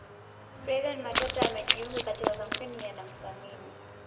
flaviana matata amejiunga katika kampeni ya namthamini